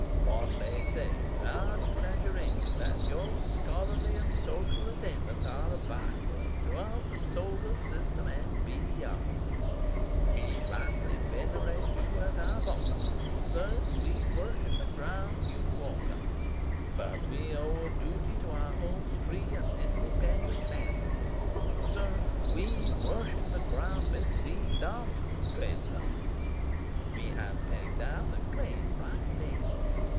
One may say without exaggeration that your scholarly and social attainments are a by word throughout the solar system, and be yond. We rightly venerate you as our boss. Sir, we worship the ground you walk on. But we owe a duty to our own free and independent manhood. Sir, we worship the ground Miss Z. Dobson treads on. We have pegged out a claim right there.